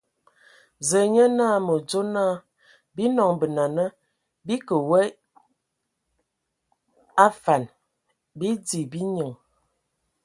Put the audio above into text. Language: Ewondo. Zǝa nye naa mǝ adzo naa, bii nɔŋ benana, bii kǝ w a afan, bii di, bii nyinŋ!